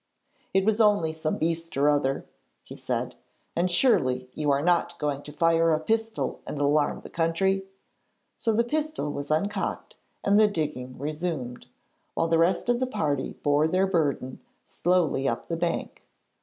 'It was only some beast or other,' he said, 'and surely you are not going to fire a pistol and alarm the country?' So the pistol was uncocked and the digging resumed, while the rest of the party bore their burden slowly up the bank.